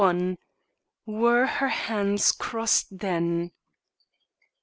XXXI "WERE HER HANDS CROSSED THEN?"